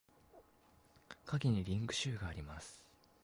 下記にリンク集があります。